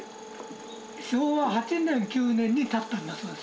昭和８年、９年に建ったんだそうです。